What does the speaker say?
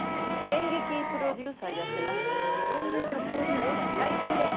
演劇のプロデューサー？って事は。